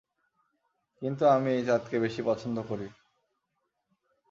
কিন্তু আমি এই চাঁদকে বেশি পছন্দ করি।